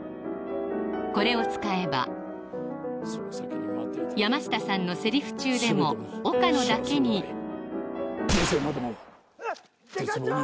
これを使えば山下さんのセリフ中でも岡野だけにデカ長！